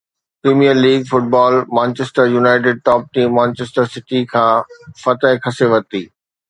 premier league football Manchester United top team Manchester City کان فتح کسي ورتي